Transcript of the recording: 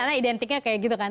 karena identiknya kayak gitu kan